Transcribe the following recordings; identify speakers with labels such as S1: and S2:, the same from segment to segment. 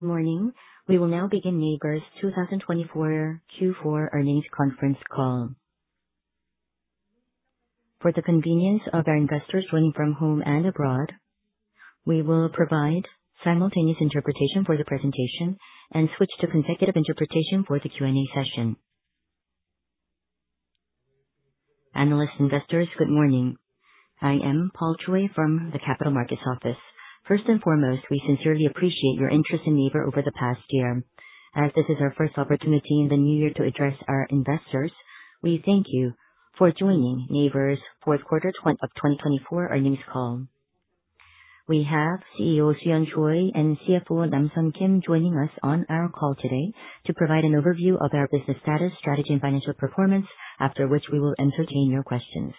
S1: Good morning. We will now begin NAVER's 2024 Q4 earnings conference call. For the convenience of our investors joining from home and abroad, we will provide simultaneous interpretation for the presentation and switch to consecutive interpretation for the Q&A session. Analysts and investors, good morning. I am Paul Choi from the Capital Markets Office. First and foremost, we sincerely appreciate your interest in NAVER over the past year. As this is our first opportunity in the new year to address our investors, we thank you for joining NAVER's fourth quarter of 2024 earnings call. We have CEO Soo-yeon Choi and CFO Nam-Sun Kim joining us on our call today to provide an overview of our business status, strategy, and financial performance, after which we will entertain your questions.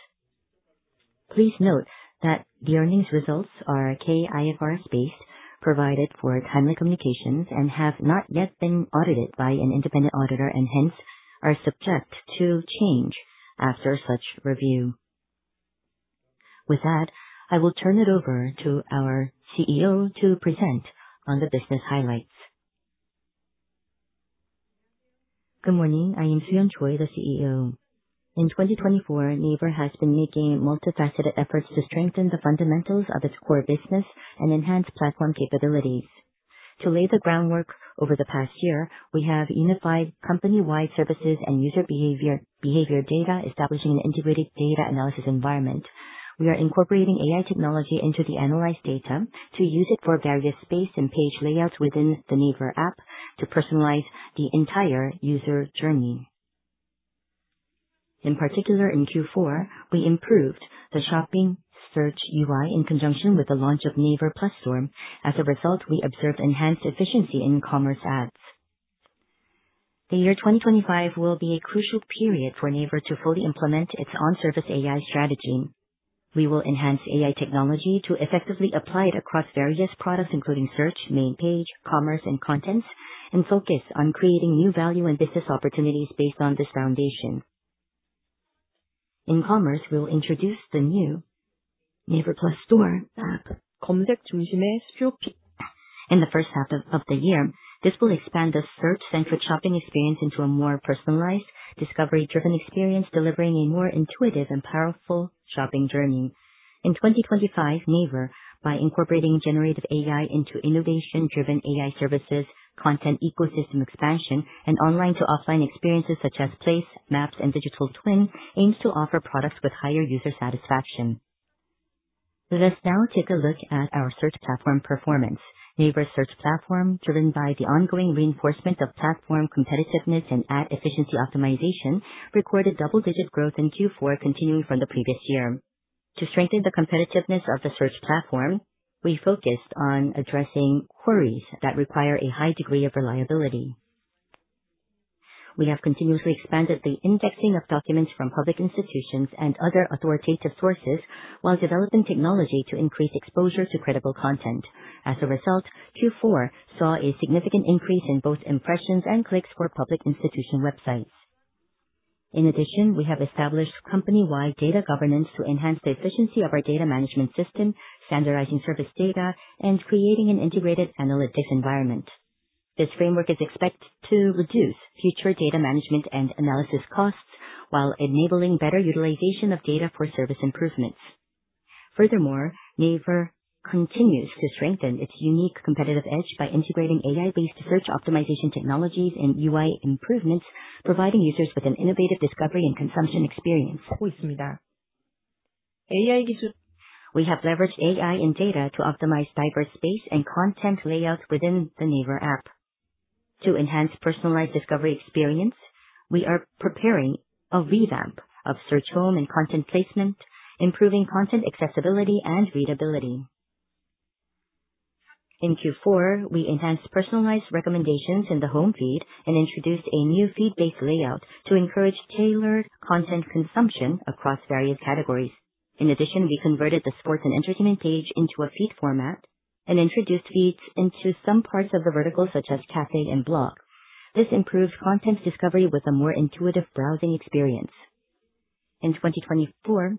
S1: Please note that the earnings results are K-IFRS-based, provided for timely communications, and have not yet been audited by an independent auditor, and hence are subject to change after such review. With that, I will turn it over to our CEO to present on the business highlights.
S2: Good morning. I am Soo-yeon Choi, the CEO. In 2024, NAVER has been making multifaceted efforts to strengthen the fundamentals of its core business and enhance platform capabilities. To lay the groundwork, over the past year, we have unified company-wide services and user behavior data, establishing an integrated data analysis environment. We are incorporating AI technology into the analyzed data to use it for various space and page layouts within the NAVER app to personalize the entire user journey. In particular, in Q4, we improved the shopping search UI in conjunction with the launch of NAVER Plus Store. As a result, we observed enhanced efficiency in commerce ads. The year 2025 will be a crucial period for NAVER to fully implement its on-service AI strategy. We will enhance AI technology to effectively apply it across various products, including search, main page, commerce, and contents, and focus on creating new value and business opportunities based on this foundation. In commerce, we will introduce the new NAVER Plus Store. 검색 중심의 스트로픽. In the first half of the year, this will expand the search-centric shopping experience into a more personalized, discovery-driven experience, delivering a more intuitive and powerful shopping journey. In 2025, NAVER, by incorporating generative AI into innovation-driven AI services, content ecosystem expansion, and online-to-offline experiences such as Place, Maps, and Digital Twin, aims to offer products with higher user satisfaction. Let's now take a look at our search platform performance. NAVER's search platform, driven by the ongoing reinforcement of platform competitiveness and ad efficiency optimization, recorded double-digit growth in Q4, continuing from the previous year. To strengthen the competitiveness of the search platform, we focused on addressing queries that require a high degree of reliability. We have continuously expanded the indexing of documents from public institutions and other authoritative sources while developing technology to increase exposure to credible content. As a result, Q4 saw a significant increase in both impressions and clicks for public institution websites. In addition, we have established company-wide data governance to enhance the efficiency of our data management system, standardizing service data, and creating an integrated analytics environment. This framework is expected to reduce future data management and analysis costs while enabling better utilization of data for service improvements. Furthermore, NAVER continues to strengthen its unique competitive edge by integrating AI-based search optimization technologies and UI improvements, providing users with an innovative discovery and consumption experience. 하고 있습니다. We have leveraged AI and data to optimize diverse space and content layouts within the NAVER app. To enhance personalized discovery experience, we are preparing a revamp of Search Home and content placement, improving content accessibility and readability. In Q4, we enhanced personalized recommendations in the Home Feed and introduced a new feed-based layout to encourage tailored content consumption across various categories. In addition, we converted the Sports and Entertainment page into a feed format and introduced feeds into some parts of the vertical such as Café and Blog. This improves content discovery with a more intuitive browsing experience. In 2024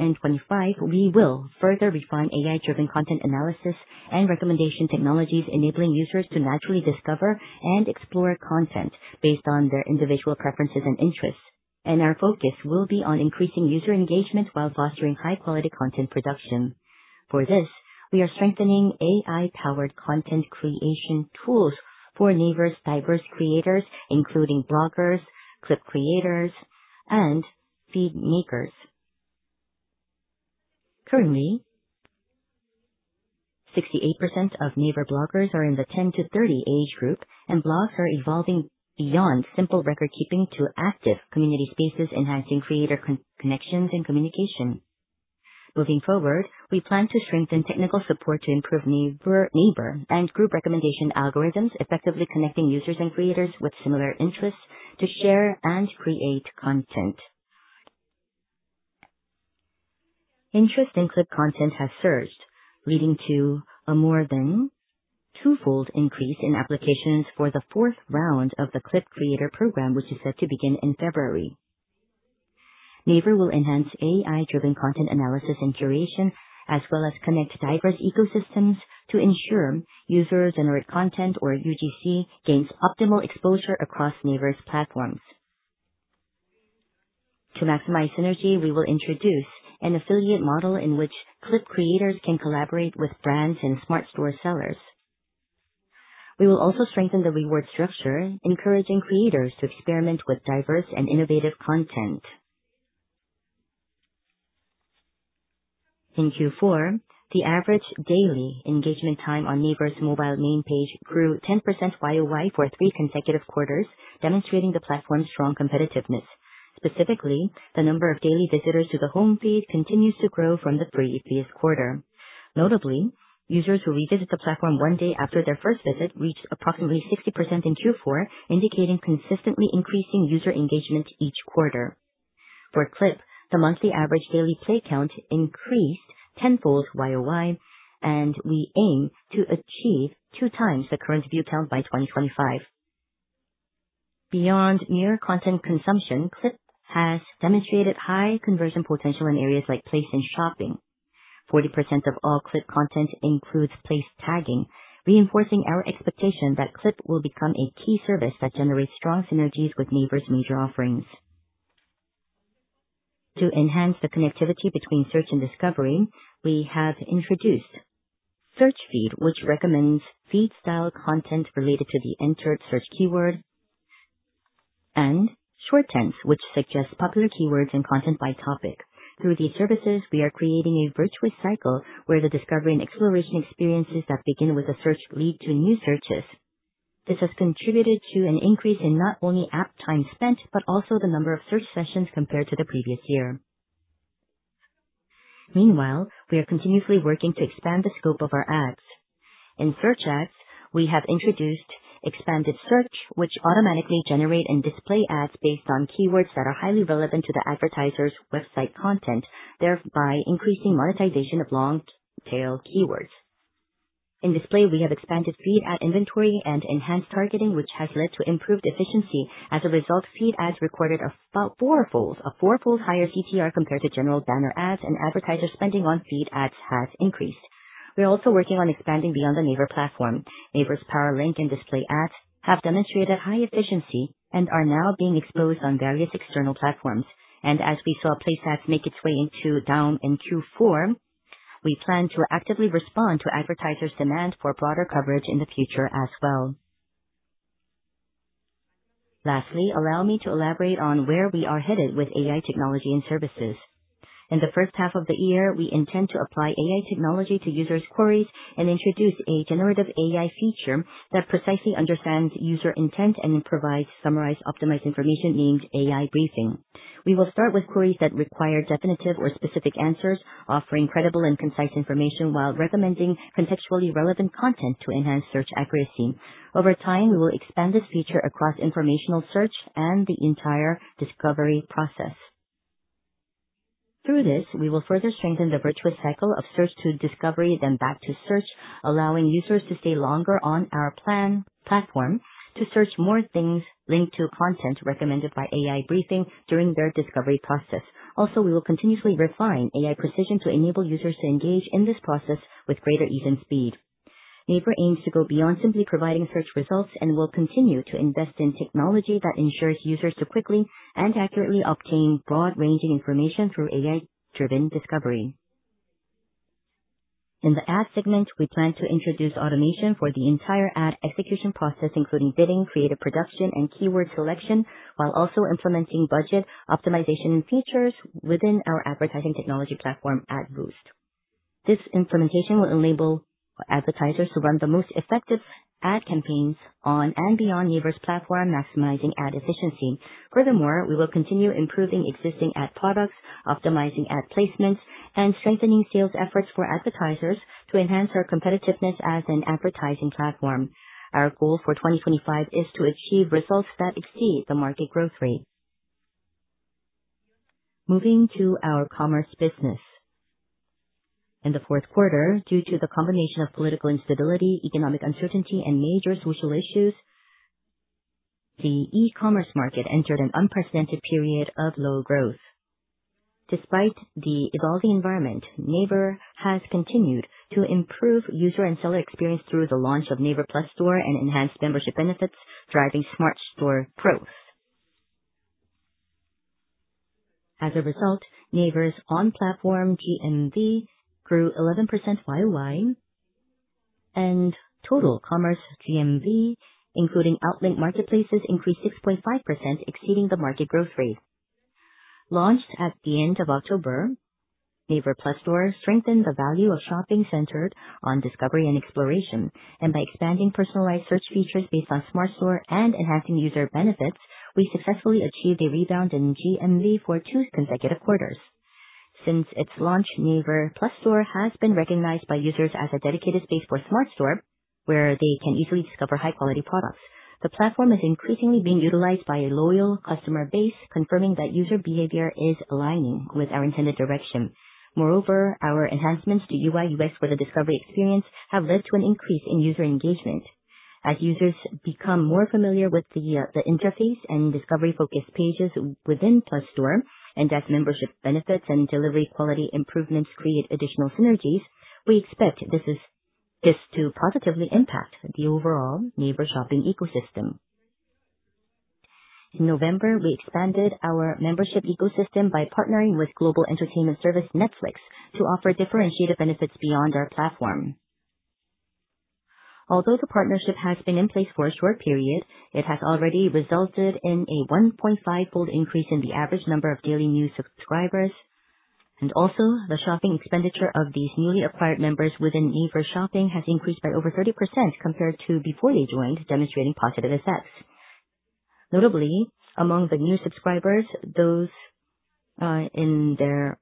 S2: and 2025, we will further refine AI-driven content analysis and recommendation technologies, enabling users to naturally discover and explore content based on their individual preferences and interests, and our focus will be on increasing user engagement while fostering high-quality content production. For this, we are strengthening AI-powered content creation tools for NAVER's diverse creators, including bloggers, clip creators, and feed makers. Currently, 68% of NAVER bloggers are in the 10 to 30 age group, and blogs are evolving beyond simple record-keeping to active community spaces, enhancing creator connections and communication. Moving forward, we plan to strengthen technical support to improve NAVER and group recommendation algorithms, effectively connecting users and creators with similar interests to share and create content. Interest in clip content has surged, leading to a more than twofold increase in applications for the fourth round of the Clip Creator Program, which is set to begin in February. NAVER will enhance AI-driven content analysis and curation, as well as connect diverse ecosystems to ensure user-generated content, or UGC, gains optimal exposure across NAVER's platforms. To maximize synergy, we will introduce an affiliate model in which Clip creators can collaborate with brands and Smart Store sellers. We will also strengthen the reward structure, encouraging creators to experiment with diverse and innovative content. In Q4, the average daily engagement time on NAVER's mobile main page grew 10% YOY for three consecutive quarters, demonstrating the platform's strong competitiveness. Specifically, the number of daily visitors to the Home Feed continues to grow from the previous quarter. Notably, users who revisit the platform one day after their first visit reached approximately 60% in Q4, indicating consistently increasing user engagement each quarter. For Clip, the monthly average daily play count increased tenfold YOY, and we aim to achieve two times the current view count by 2025. Beyond mere content consumption, Clip has demonstrated high conversion potential in areas like Place and Shopping. 40% of all Clip content includes place tagging, reinforcing our expectation that Clip will become a key service that generates strong synergies with NAVER's major offerings. To enhance the connectivity between search and discovery, we have introduced Search Feed, which recommends feed-style content related to the entered search keyword, and Search Trends, which suggests popular keywords and content by topic. Through these services, we are creating a virtuous cycle where the discovery and exploration experiences that begin with a search lead to new searches. This has contributed to an increase in not only app time spent but also the number of search sessions compared to the previous year. Meanwhile, we are continuously working to expand the scope of our ads. In search ads, we have introduced Expanded Search, which automatically generates and displays ads based on keywords that are highly relevant to the advertiser's website content, thereby increasing monetization of long-tail keywords. In display, we have expanded feed ad inventory and enhanced targeting, which has led to improved efficiency. As a result, feed ads recorded a fourfold higher CTR compared to general banner ads, and advertiser spending on feed ads has increased. We are also working on expanding beyond the NAVER platform. NAVER's Power Link and Display ads have demonstrated high efficiency and are now being exposed on various external platforms. And as we saw Place Ads make its way down in Q4, we plan to actively respond to advertisers' demand for broader coverage in the future as well. Lastly, allow me to elaborate on where we are headed with AI technology and services. In the first half of the year, we intend to apply AI technology to users' queries and introduce a generative AI feature that precisely understands user intent and provides summarized, optimized information named AI Briefing. We will start with queries that require definitive or specific answers, offering credible and concise information while recommending contextually relevant content to enhance search accuracy. Over time, we will expand this feature across informational search and the entire discovery process. Through this, we will further strengthen the virtuous cycle of search to discovery, then back to search, allowing users to stay longer on our platform to search more things linked to content recommended by AI Briefing during their discovery process. Also, we will continuously refine AI precision to enable users to engage in this process with greater ease and speed. NAVER aims to go beyond simply providing search results and will continue to invest in technology that ensures users quickly and accurately obtain broad-ranging information through AI-driven discovery. In the ad segment, we plan to introduce automation for the entire ad execution process, including bidding, creative production, and keyword selection, while also implementing budget optimization and features within our advertising technology platform, AdBoost. This implementation will enable advertisers to run the most effective ad campaigns on and beyond NAVER's platform, maximizing ad efficiency. Furthermore, we will continue improving existing ad products, optimizing ad placements, and strengthening sales efforts for advertisers to enhance our competitiveness as an advertising platform. Our goal for 2025 is to achieve results that exceed the market growth rate. Moving to our commerce business. In the fourth quarter, due to the combination of political instability, economic uncertainty, and major social issues, the e-commerce market entered an unprecedented period of low growth. Despite the evolving environment, NAVER has continued to improve user and seller experience through the launch of NAVER Plus Store and enhanced membership benefits, driving Smart Store growth. As a result, NAVER's on-platform GMV grew 11% YOY, and total commerce GMV, including outlink marketplaces, increased 6.5%, exceeding the market growth rate. Launched at the end of October, NAVER Plus Store strengthened the value of shopping centered on discovery and exploration. And by expanding personalized search features based on Smart Store and enhancing user benefits, we successfully achieved a rebound in GMV for two consecutive quarters. Since its launch, NAVER Plus Store has been recognized by users as a dedicated space for Smart Store, where they can easily discover high-quality products.
S1: The platform is increasingly being utilized by a loyal customer base, confirming that user behavior is aligning with our intended direction. Moreover, our enhancements to UI/UX for the discovery experience have led to an increase in user engagement. As users become more familiar with the interface and discovery-focused pages within Plus Store, and as membership benefits and delivery quality improvements create additional synergies, we expect this to positively impact the overall NAVER shopping ecosystem. In November, we expanded our membership ecosystem by partnering with global entertainment service Netflix to offer differentiated benefits beyond our platform. Although the partnership has been in place for a short period, it has already resulted in a 1.5-fold increase in the average number of daily new subscribers, and also, the shopping expenditure of these newly acquired members within NAVER shopping has increased by over 30% compared to before they joined, demonstrating positive effects. Notably, among the new subscribers, those in their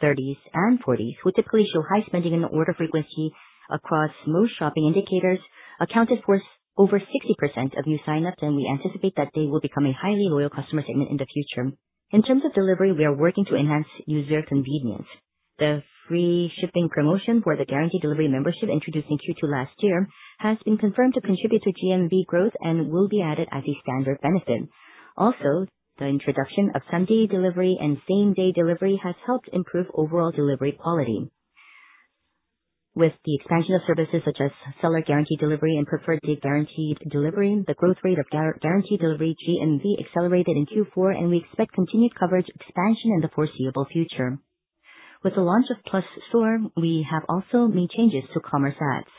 S1: 30s and 40s, who typically show high spending and order frequency across most shopping indicators, accounted for over 60% of new signups, and we anticipate that they will become a highly loyal customer segment in the future. In terms of delivery, we are working to enhance user convenience. The free shipping promotion for the guaranteed delivery membership, introduced in Q2 last year, has been confirmed to contribute to GMV growth and will be added as a standard benefit. Also, the introduction of same-day delivery has helped improve overall delivery quality. With the expansion of services such as seller guaranteed delivery and preferred guaranteed delivery, the growth rate of guaranteed delivery GMV accelerated in Q4, and we expect continued coverage expansion in the foreseeable future. With the launch of Plus Store, we have also made changes to commerce ads.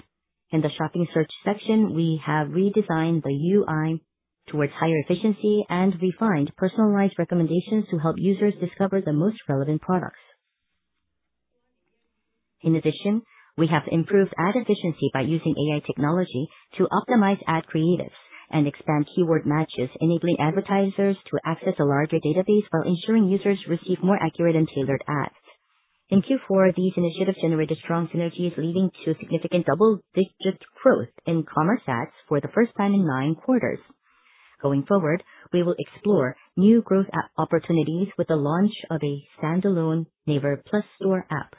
S1: In the shopping search section, we have redesigned the UI towards higher efficiency and refined personalized recommendations to help users discover the most relevant products. In addition, we have improved ad efficiency by using AI technology to optimize ad creatives and expand keyword matches, enabling advertisers to access a larger database while ensuring users receive more accurate and tailored ads. In Q4, these initiatives generated strong synergies, leading to significant double-digit growth in commerce ads for the first time in nine quarters. Going forward, we will explore new growth opportunities with the launch of a standalone NAVER Plus Store app.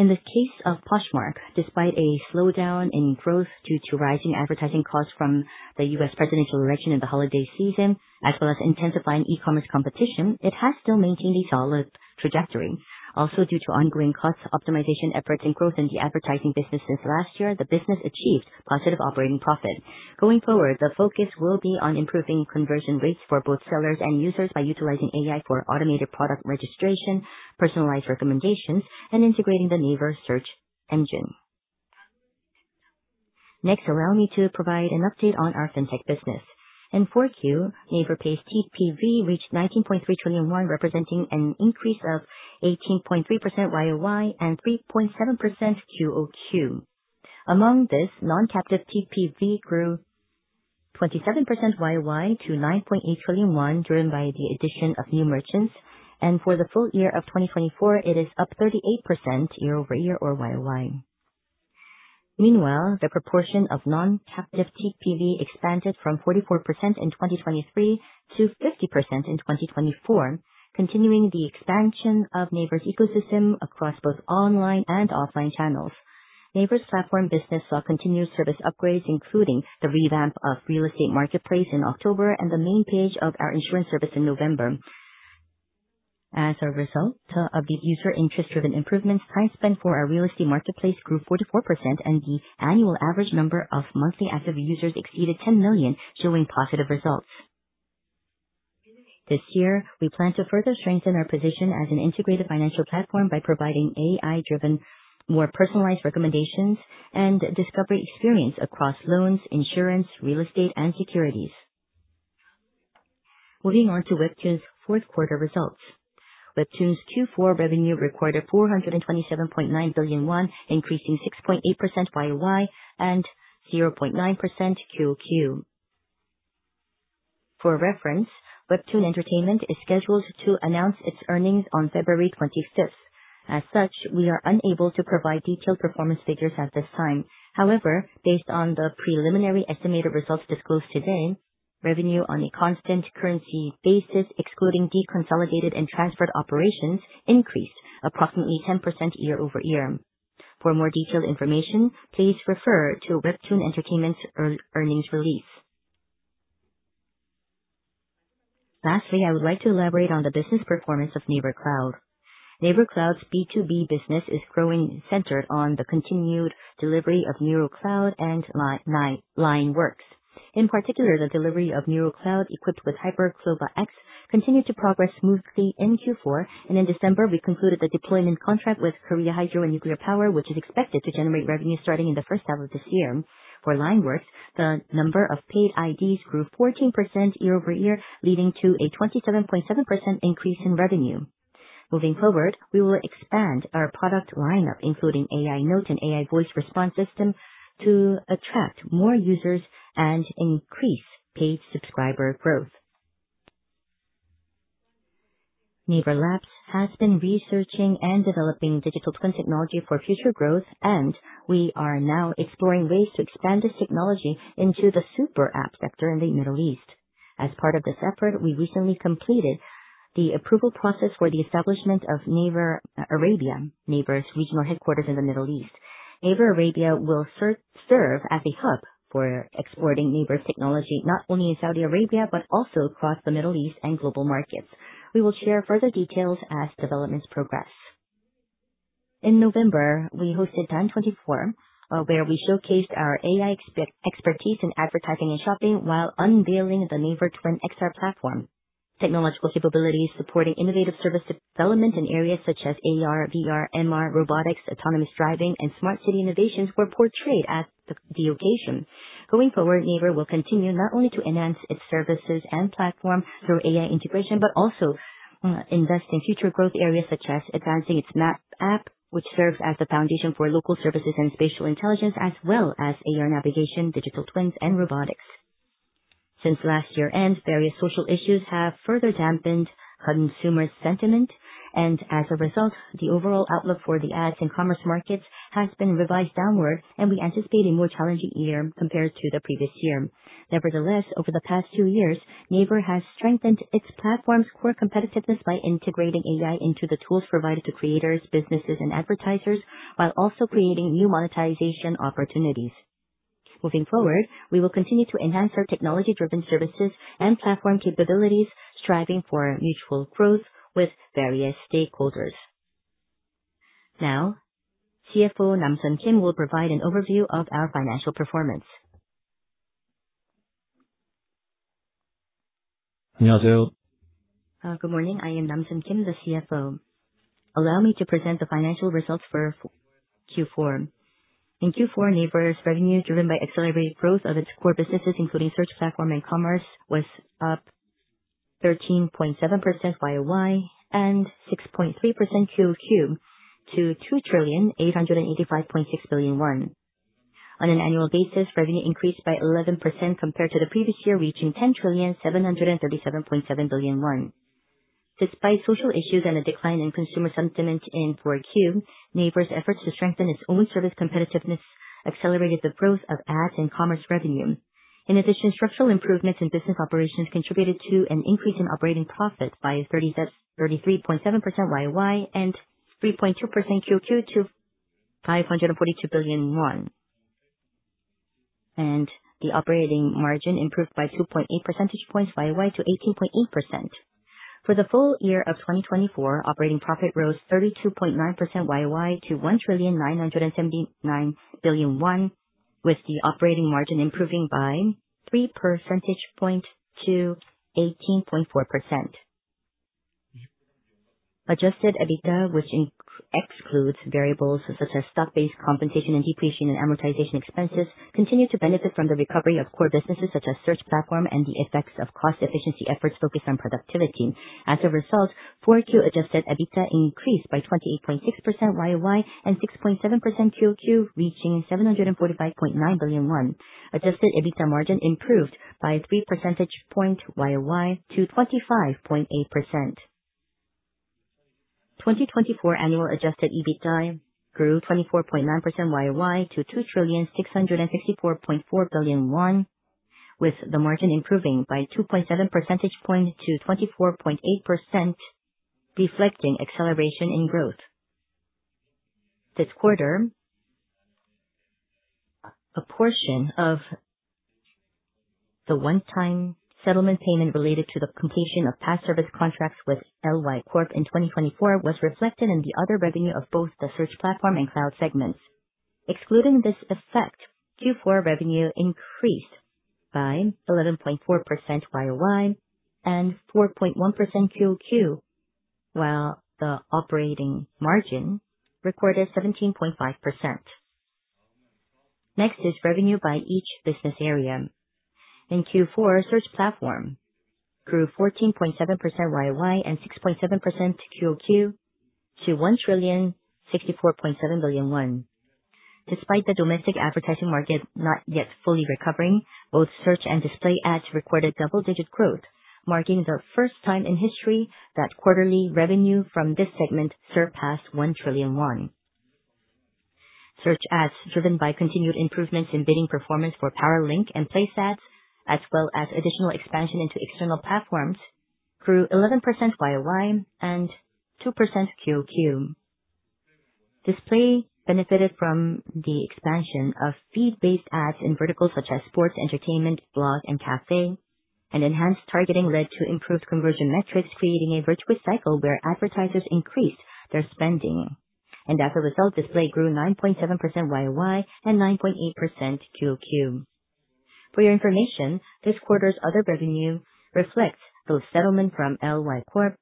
S1: In the case of Poshmark, despite a slowdown in growth due to rising advertising costs from the U.S. presidential election in the holiday season, as well as intensifying e-commerce competition, it has still maintained a solid trajectory. Also, due to ongoing cost optimization efforts and growth in the advertising business since last year, the business achieved positive operating profit. Going forward, the focus will be on improving conversion rates for both sellers and users by utilizing AI for automated product registration, personalized recommendations, and integrating the NAVER search engine. Next, allow me to provide an update on our fintech business. In fourth quarter, NAVER-based TPV reached 19.3 trillion won, representing an increase of 18.3% YOY and 3.7% QOQ. Among this, non-captive TPV grew 27% YOY to 9.8 trillion won, driven by the addition of new merchants. And for the full year of 2024, it is up 38% year-over-year or YOY. Meanwhile, the proportion of non-captive TPV expanded from 44% in 2023 to 50% in 2024, continuing the expansion of NAVER's ecosystem across both online and offline channels. NAVER's platform business saw continued service upgrades, including the revamp of the real estate marketplace in October and the main page of our insurance service in November. As a result of the user interest-driven improvements, time spent for our real estate marketplace grew 44%, and the annual average number of monthly active users exceeded 10 million, showing positive results. This year, we plan to further strengthen our position as an integrated financial platform by providing AI-driven, more personalized recommendations and discovery experience across loans, insurance, real estate, and securities. Moving on to Webtoon's fourth quarter results. Webtoon's Q4 revenue recorded 427.9 billion won, increasing 6.8% YOY and 0.9% QOQ. For reference, Webtoon Entertainment is scheduled to announce its earnings on February 25th. As such, we are unable to provide detailed performance figures at this time. However, based on the preliminary estimated results disclosed today, revenue on a constant currency basis, excluding deconsolidated and transferred operations, increased approximately 10% year-over-year. For more detailed information, please refer to Webtoon Entertainment's earnings release. Lastly, I would like to elaborate on the business performance of NAVER Cloud. NAVER Cloud's B2B business is growing centered on the continued delivery of Neurocloud and LINE WORKS. In particular, the delivery of Neurocloud equipped with HyperCLOVA X continued to progress smoothly in Q4, and in December, we concluded the deployment contract with Korea Hydro & Nuclear Power, which is expected to generate revenue starting in the first half of this year. For LINE WORKS, the number of paid IDs grew 14% year-over-year, leading to a 27.7% increase in revenue. Moving forward, we will expand our product lineup, including AI Note and AI Voice Response System, to attract more users and increase paid subscriber growth. NAVER Labs has been researching and developing digital twin technology for future growth, and we are now exploring ways to expand this technology into the super app sector in the Middle East. As part of this effort, we recently completed the approval process for the establishment of NAVER Arabia, NAVER's regional headquarters in the Middle East. NAVER Arabia will serve as a hub for exporting NAVER's technology not only in Saudi Arabia but also across the Middle East and global markets. We will share further details as developments progress. In November, we hosted DAN 24, where we showcased our AI expertise in advertising and shopping while unveiling the NAVER TwinXR platform. Technological capabilities supporting innovative service development in areas such as AR, VR, MR, robotics, autonomous driving, and smart city innovations were portrayed as the occasion. Going forward, NAVER will continue not only to enhance its services and platform through AI integration but also invest in future growth areas such as advancing its map app, which serves as the foundation for local services and spatial intelligence, as well as AR navigation, digital twins, and robotics. Since last year-end, various social issues have further dampened consumer sentiment, and as a result, the overall outlook for the ads and commerce markets has been revised downward, and we anticipate a more challenging year compared to the previous year. Nevertheless, over the past two years, NAVER has strengthened its platform's core competitiveness by integrating AI into the tools provided to creators, businesses, and advertisers, while also creating new monetization opportunities. Moving forward, we will continue to enhance our technology-driven services and platform capabilities, striving for mutual growth with various stakeholders. Now, CFO Nam-Sun Kim will provide an overview of our financial performance.
S3: 안녕하세요. Good morning. I am Nam-Sun Kim, the CFO. Allow me to present the financial results for Q4. In Q4, NAVER's revenue driven by accelerated growth of its core businesses, including search platform and commerce, was up 13.7% YOY and 6.3% QOQ to 2,885.6 billion won. On an annual basis, revenue increased by 11% compared to the previous year, reaching 10,737.7 billion won. Despite social issues and a decline in consumer sentiment in Q4, NAVER's efforts to strengthen its own service competitiveness accelerated the growth of ads and commerce revenue. In addition, structural improvements in business operations contributed to an increase in operating profit by 33.7% YOY and 3.2% QOQ to 542 billion. The operating margin improved by 2.8 percentage points YOY to 18.8%. For the full year of 2024, operating profit rose 32.9% YOY to 1,979 billion won, with the operating margin improving by 3 percentage points to 18.4%. Adjusted EBITDA, which excludes variables such as stock-based compensation and depreciation and amortization expenses, continued to benefit from the recovery of core businesses such as search platform and the effects of cost-efficiency efforts focused on productivity. As a result, Q4 adjusted EBITDA increased by 28.6% YOY and 6.7% QOQ, reaching 745.9 billion won. Adjusted EBITDA margin improved by 3 percentage points YOY to 25.8%. 2024 annual adjusted EBITDA grew 24.9% YOY to 2,664.4 billion won, with the margin improving by 2.7 percentage points to 24.8%, reflecting acceleration in growth. This quarter, a portion of the one-time settlement payment related to the completion of past service contracts with LY Corp in 2024 was reflected in the other revenue of both the search platform and cloud segments. Excluding this effect, Q4 revenue increased by 11.4% YOY and 4.1% QOQ, while the operating margin recorded 17.5%. Next is revenue by each business area. In Q4, search platform grew 14.7% YOY and 6.7% QOQ to 1,064.7 billion won. Despite the domestic advertising market not yet fully recovering, both search and display ads recorded double-digit growth, marking the first time in history that quarterly revenue from this segment surpassed 1 trillion won. Search ads driven by continued improvements in bidding performance for Powerlink and Place ads, as well as additional expansion into external platforms, grew 11% YOY and 2% QOQ. Display benefited from the expansion of feed-based ads in verticals such as sports, entertainment, blog, and café, and enhanced targeting led to improved conversion metrics, creating a virtuous cycle where advertisers increased their spending. And as a result, display grew 9.7% YOY and 9.8% QOQ. For your information, this quarter's other revenue reflects both settlement from LY Corporation,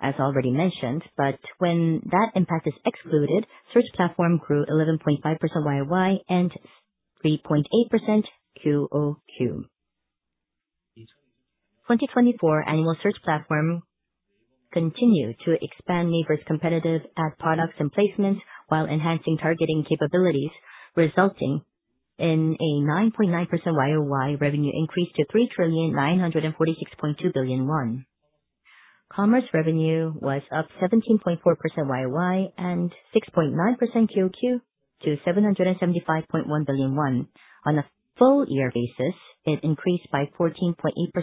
S3: as already mentioned, but when that impact is excluded, search platform grew 11.5% YOY and 3.8% QOQ. 2024 annual search platform continued to expand NAVER's competitive ad products and placements while enhancing targeting capabilities, resulting in a 9.9% YOY revenue increase to 3,946.2 billion won. Commerce revenue was up 17.4% YOY and 6.9% QOQ to 775.1 billion won. On a full-year basis, it increased by 14.8%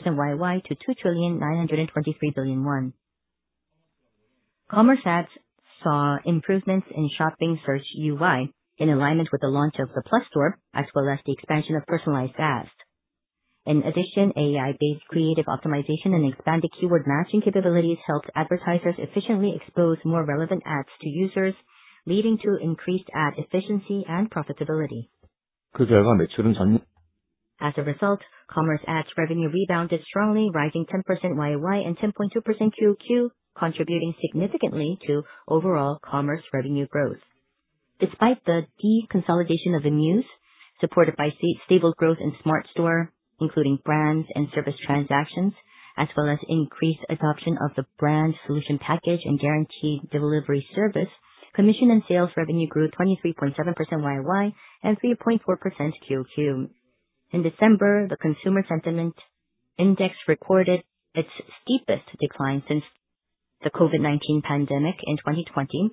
S3: YOY to 2,923 billion won. Commerce ads saw improvements in shopping search UI in alignment with the launch of the Plus Store, as well as the expansion of personalized ads. In addition, AI-based creative optimization and expanded keyword matching capabilities helped advertisers efficiently expose more relevant ads to users, leading to increased ad efficiency and profitability. As a result, commerce ads revenue rebounded strongly, rising 10% YOY and 10.2% QOQ, contributing significantly to overall commerce revenue growth. Despite the deconsolidation of the news, supported by stable growth in Smart Store, including brands and service transactions, as well as increased adoption of the Brand Solution Package and Guaranteed Delivery service, commission and sales revenue grew 23.7% YOY and 3.4% QOQ. In December, the consumer sentiment index recorded its steepest decline since the COVID-19 pandemic in 2020.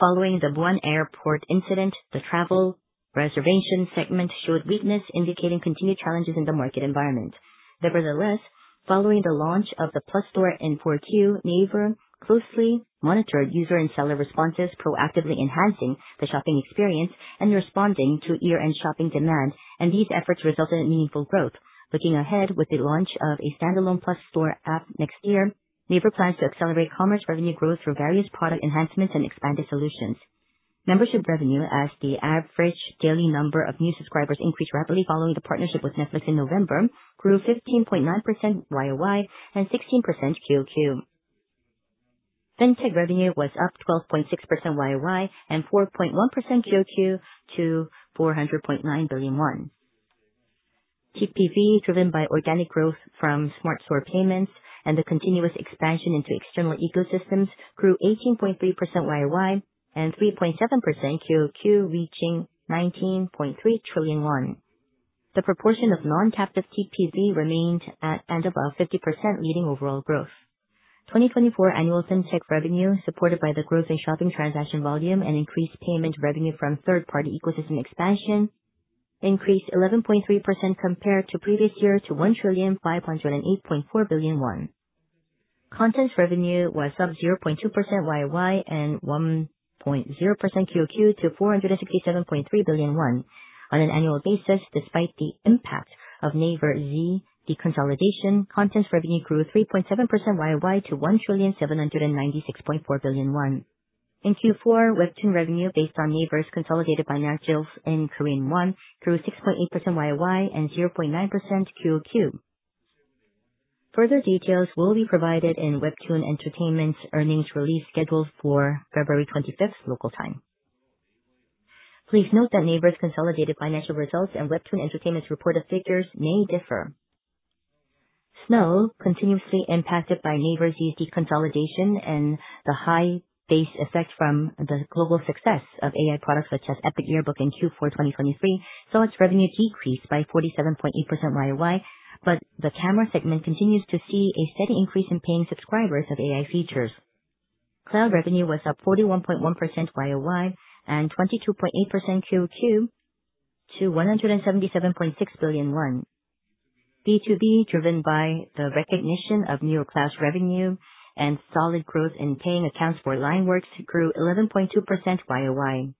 S3: Following the Muan Airport incident, the travel reservation segment showed weakness, indicating continued challenges in the market environment. Nevertheless, following the launch of the Plus Store in Q4, NAVER closely monitored user and seller responses, proactively enhancing the shopping experience and responding to year-end shopping demand. These efforts resulted in meaningful growth. Looking ahead with the launch of a standalone Plus Store app next year, NAVER plans to accelerate commerce revenue growth through various product enhancements and expanded solutions. Membership revenue, as the average daily number of new subscribers increased rapidly following the partnership with Netflix in November, grew 15.9% YOY and 16% QOQ. FinTech revenue was up 12.6% YOY and 4.1% QOQ to 400.9 billion won. TPV, driven by organic growth from Smart Store payments and the continuous expansion into external ecosystems, grew 18.3% YOY and 3.7% QOQ, reaching 19.3 trillion won. The proportion of non-captive TPV remained at and above 50%, leading overall growth. 2024 annual FinTech revenue, supported by the growth in shopping transaction volume and increased payment revenue from third-party ecosystem expansion, increased 11.3% compared to previous year to 1,508.4 billion won. Contents revenue was up 0.2% YOY and 1.0% QOQ to 467.3 billion won on an annual basis. Despite the impact of NAVER's deconsolidation, contents revenue grew 3.7% YOY to 1,796.4 billion won. In Q4, Webtoon revenue, based on NAVER's consolidated financials in Korean Won, grew 6.8% YOY and 0.9% QOQ. Further details will be provided in Webtoon Entertainment's earnings release scheduled for February 25, local time. Please note that NAVER's consolidated financial results and Webtoon Entertainment's reported figures may differ. Snow, continuously impacted by NAVER's deconsolidation and the high base effect from the global success of AI products such as EPIK AI Yearbook in Q4 2023, saw its revenue decrease by 47.8% YOY, but the camera segment continues to see a steady increase in paying subscribers of AI features. Cloud revenue was up 41.1% YOY and 22.8% QOQ to 177.6 billion won. B2B, driven by the recognition of Neurocloud revenue and solid growth in paying accounts for LINE WORKS, grew 11.2% YOY.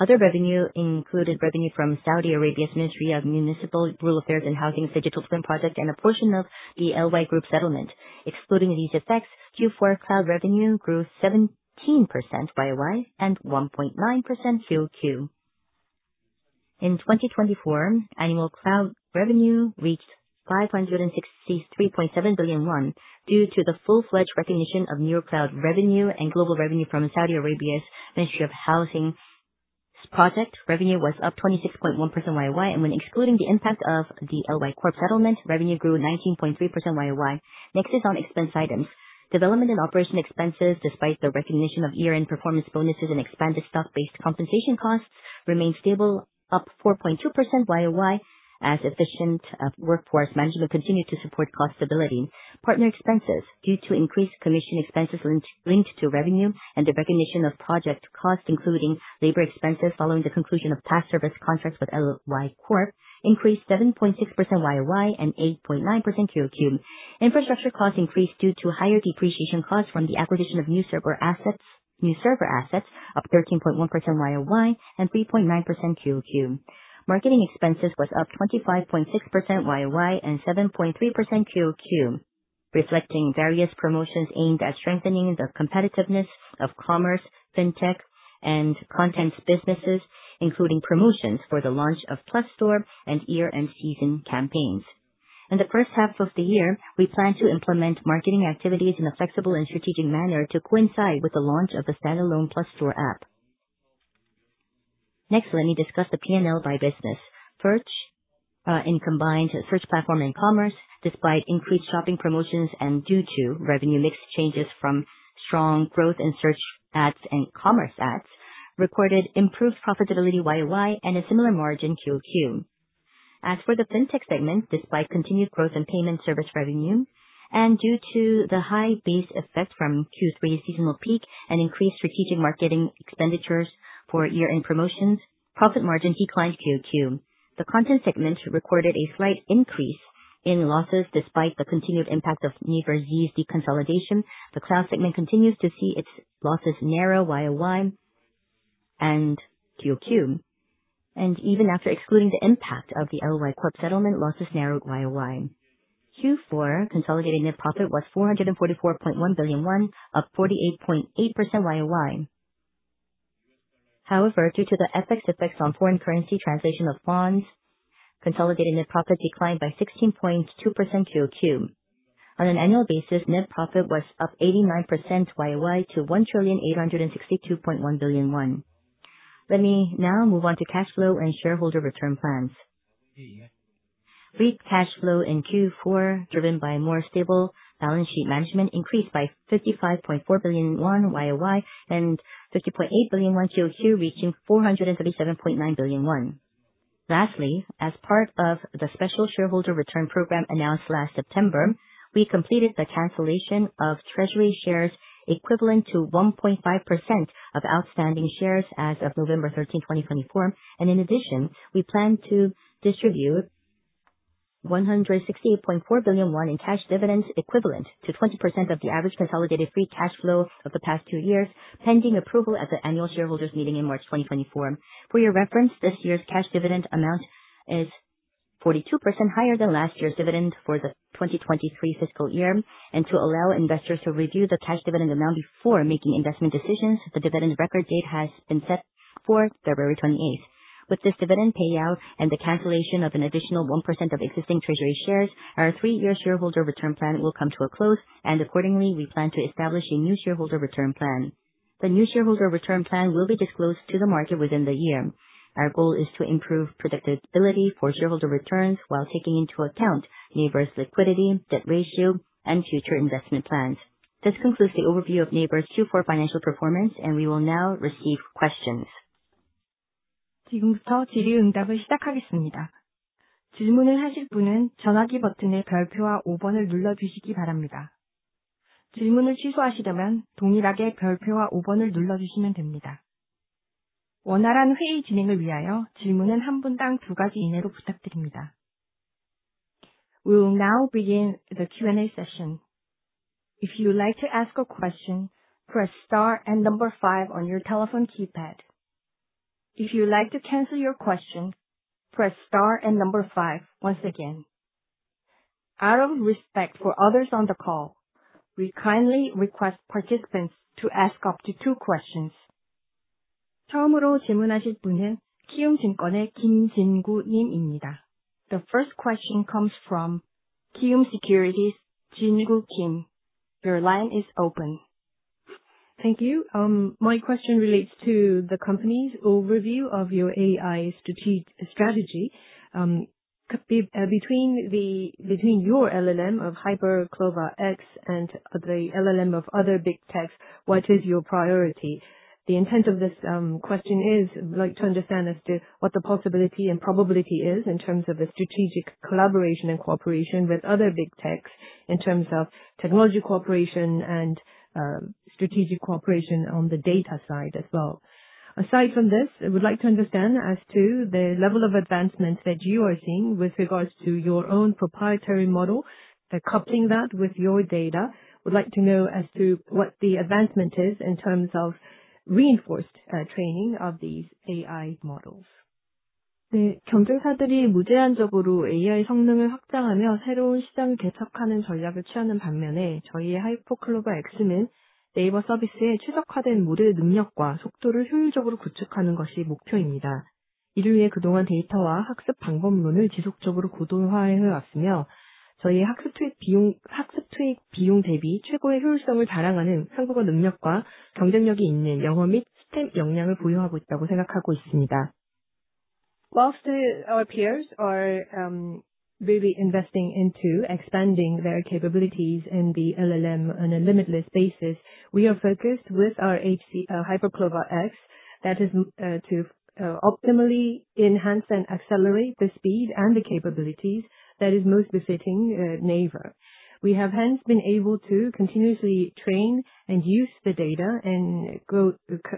S3: Other revenue included revenue from Saudi Arabia's Ministry of Municipal Rural Affairs and Housing's digital twin project and a portion of the LY Corporation settlement. Excluding these effects, Q4 cloud revenue grew 17% YOY and 1.9% QOQ. In 2024, annual cloud revenue reached 563.7 billion won due to the full-fledged recognition of Neurocloud revenue and global revenue from Saudi Arabia's Ministry of Housing's project. Revenue was up 26.1% YOY, and when excluding the impact of the LY Corporation settlement, revenue grew 19.3% YOY. Next is on expense items. Development and operation expenses, despite the recognition of year-end performance bonuses and expanded stock-based compensation costs, remained stable, up 4.2% YOY as efficient workforce management continued to support cost stability. Partner expenses, due to increased commission expenses linked to revenue and the recognition of project costs, including labor expenses following the conclusion of past service contracts with LY Corporation, increased 7.6% YOY and 8.9% QOQ. Infrastructure costs increased due to higher depreciation costs from the acquisition of new server assets, up 13.1% YOY and 3.9% QOQ. Marketing expenses were up 25.6% YOY and 7.3% QOQ, reflecting various promotions aimed at strengthening the competitiveness of commerce, fintech, and content businesses, including promotions for the launch of Plus Store and year-end season campaigns. In the first half of the year, we plan to implement marketing activities in a flexible and strategic manner to coincide with the launch of the standalone Plus Store app. Next, let me discuss the P&L by business. Search and combined search platform and commerce, despite increased shopping promotions and due to revenue mix changes from strong growth in search ads and commerce ads, recorded improved profitability YOY and a similar margin QOQ. As for the fintech segment, despite continued growth in payment service revenue and due to the high base effect from Q3 seasonal peak and increased strategic marketing expenditures for year-end promotions, profit margin declined QOQ. The content segment recorded a slight increase in losses despite the continued impact of NAVER's deconsolidation. The cloud segment continues to see its losses narrow YOY and QOQ, and even after excluding the impact of the LY Corporation settlement, losses narrowed YOY. Q4 consolidated net profit was 444.1 billion won, up 48.8% YOY. However, due to the FX effects on foreign currency translation of bonds, consolidated net profit declined by 16.2% QOQ. On an annual basis, net profit was up 89% YOY to 1,862.1 billion won. Let me now move on to cash flow and shareholder return plans. Free cash flow in Q4, driven by more stable balance sheet management, increased by 55.4 billion won YOY and 50.8 billion won QOQ, reaching 437.9 billion won. Lastly, as part of the special shareholder return program announced last September, we completed the cancellation of treasury shares equivalent to 1.5% of outstanding shares as of November 13, 2024. In addition, we plan to distribute 168.4 billion won in cash dividends equivalent to 20% of the average consolidated free cash flow of the past two years, pending approval at the annual shareholders meeting in March 2024. For your reference, this year's cash dividend amount is 42% higher than last year's dividend for the 2023 fiscal year. To allow investors to review the cash dividend amount before making investment decisions, the dividend record date has been set for February 28. With this dividend payout and the cancellation of an additional 1% of existing treasury shares, our three-year shareholder return plan will come to a close, and accordingly, we plan to establish a new shareholder return plan. The new shareholder return plan will be disclosed to the market within the year. Our goal is to improve predictability for shareholder returns while taking into account NAVER's liquidity, debt ratio, and future investment plans. This concludes the overview of NAVER's Q4 financial performance, and we will now receive questions.
S4: 지금부터 질의응답을 시작하겠습니다. 질문을 하실 분은 전화기 버튼의 별표와 5번을 눌러주시기 바랍니다. 질문을 취소하시려면 동일하게 별표와 5번을 눌러주시면 됩니다. 원활한 회의 진행을 위하여 질문은 한 분당 두 가지 이내로 부탁드립니다. We will now begin the Q&A session. If you would like to ask a question, press star and number five on your telephone keypad. If you would like to cancel your question, press star and number five once again. Out of respect for others on the call, we kindly request participants to ask up to two questions. 처음으로 질문하실 분은 키움증권의 김진구 님입니다. The first question comes from Kiwoom Securities, Jin-gu Kim. Your line is open. Thank you.
S5: My question relates to the company's overview of your AI strategy. Between your LLM of HyperCLOVA X and the LLM of other big techs, what is your priority? The intent of this question is to understand what the possibility and probability is in terms of the strategic collaboration and cooperation with other big techs, in terms of technology cooperation and strategic cooperation on the data side as well. Aside from this, I would like to understand as to the level of advancement that you are seeing with regards to your own proprietary model, coupling that with your data. I would like to know as to what the advancement is in terms of reinforced training of these AI models.
S2: 경쟁사들이 무제한적으로 AI 성능을 확장하며 새로운 시장을 개척하는 전략을 취하는 반면에, 저희의 HyperCLOVA X는 네이버 서비스의 최적화된 모델 능력과 속도를 효율적으로 구축하는 것이 목표입니다. 이를 위해 그동안 데이터와 학습 방법론을 지속적으로 고도화해 왔으며, 저희의 학습 트윗 비용 대비 최고의 효율성을 자랑하는 한국어 능력과 경쟁력이 있는 영어 및 STEM 역량을 보유하고 있다고 생각하고 있습니다. While our peers are really investing into expanding their capabilities in the LLM on a limitless basis, we are focused with our HyperCLOVA X that is to optimally enhance and accelerate the speed and the capabilities that is most befitting NAVER. We have hence been able to continuously train and use the data and